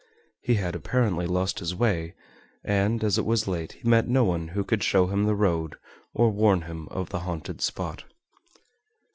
He had apparently lost his way, and as it was late he met no one who could show him the road or warn him of the haunted spot.